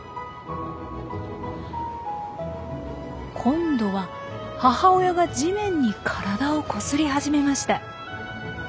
今度は母親が地面に体をこすり始めました。